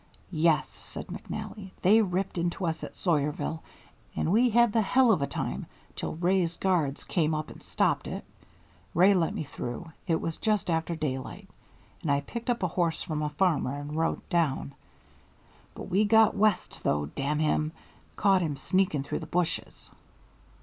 "Yes," said McNally, "they ripped into us at Sawyerville and we had the hell of a time till Wray's guards came up and stopped it. Wray let me through, it was just after daylight, and I picked up a horse from a farmer and rode down. But we got West though, damn him! caught him sneaking through the bushes."